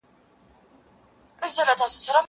کېدای سي انځورونه خراب وي!!